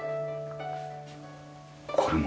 これも。